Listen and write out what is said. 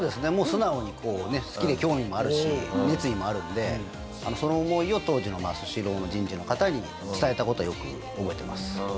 素直に好きで興味もあるし熱意もあるのでその思いを当時のスシローの人事の方に伝えた事はよく覚えています。